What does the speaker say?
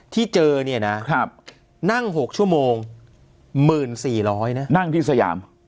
ที่เจอเนี้ยนะครับนั่งหกชั่วโมงหมื่นสี่ร้อยนะนั่งที่สยาม